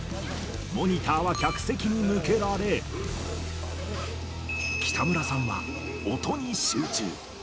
モニターは客席に向けられ、北村さんは音に集中。